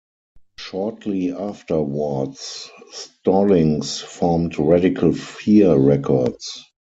Shortly afterwards, Stallings formed Radikal Fear Records.